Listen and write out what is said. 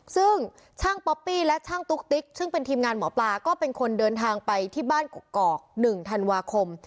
ซึ่งช่างป๊อปปี้และช่างตุ๊กติ๊กซึ่งเป็นทีมงานหมอปลาก็เป็นคนเดินทางไปที่บ้านกกอก๑ธันวาคม